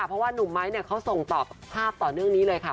เพราะว่านุ่มไมค์เขาส่งภาพต่อเนื่องนี้เลยค่ะ